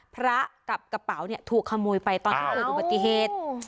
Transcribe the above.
พระกับกระเป๋าเนี่ยถูกขโมยไปตอนที่เกิดอุบัติเหตุ